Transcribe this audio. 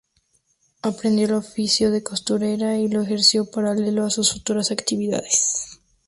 Aprendió el oficio de costurera y lo ejerció paralelo a sus futuras actividades.